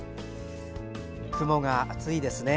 雲が厚いですね。